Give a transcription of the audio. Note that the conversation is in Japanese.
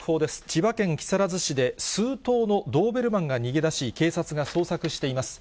千葉県木更津市で、数頭のドーベルマンが逃げ出し、警察が捜索しています。